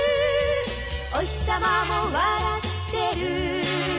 「おひさまも笑ってる」